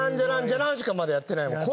じゃらんしかまだやってないもん。